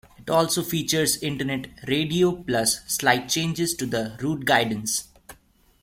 It also features internet radio plus slight changes to the route guidance.